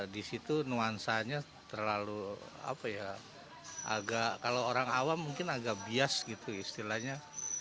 di situ nuansanya terlalu kalau orang awam mungkin agak bias gitu istilahnya